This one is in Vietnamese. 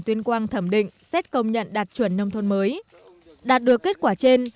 tuyên quang thẩm định xét công nhận đạt chuẩn nông thôn mới đạt được kết quả trên